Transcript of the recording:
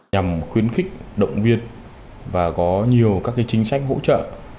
nhằm khuyến khích động viên và có nhiều các chính sách hỗ trợ